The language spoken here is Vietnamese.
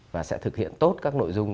và sẽ thực hiện tốt các nội dung